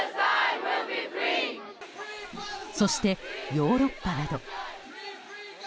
そしてヨーロッパなど。